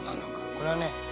これはね